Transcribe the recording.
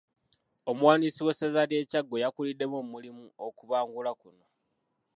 Omuwandiisi w'essaza ly'e Kyaggwe y'akuliddemu omulimu okubangula kuno.